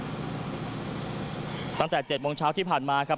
หมู่บ้านตั่งแต่เจ็ดโมงเช้าที่ผ่านมาครับ